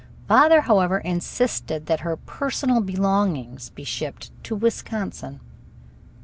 Father, however, insisted that her "personal belongings" be shipped to Wisconsin.